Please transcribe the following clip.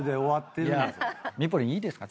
ミポリンいいですか？